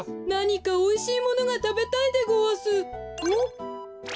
なにかおいしいものがたべたいでごわす。